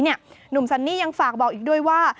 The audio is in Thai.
หนุ่มซันนี่ยังฝากบอกอีกด้วยว่า